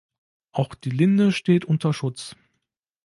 Auch die Linde steht unter Schutz.